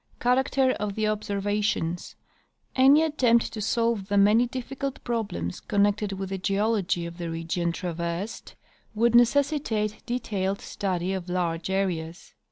Character of the Observations. — Any attempt to solve the many difficult problems connected with the geology of the region trav ersed would necessitate detailed study of large areas.